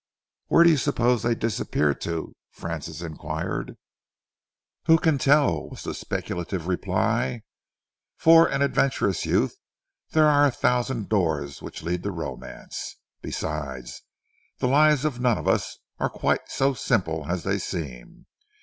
"Where do you suppose they disappear to?" Francis enquired. "Who can tell?" was the speculative reply. "For an adventurous youth there are a thousand doors which lead to romance. Besides, the lives of none of us are quite so simple as they seem.